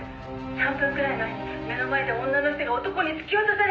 ３分くらい前に目の前で女の人が男に突き落とされて！」